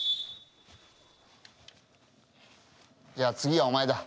じゃあ次はお前だ。